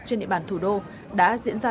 trên địa bàn thủ đô đã diễn ra